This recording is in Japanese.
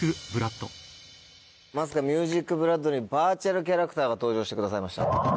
まさか『ＭＵＳＩＣＢＬＯＯＤ』にバーチャルキャラクターが登場してくださいました。